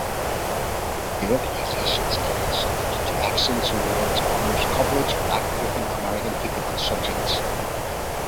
The organization's annual Salute to Excellence Awards honors coverage of African-American people and subjects.